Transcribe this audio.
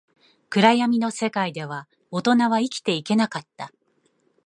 暗闇の世界では、大人は生きていけなかった